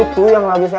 itu yang lagi sakit kan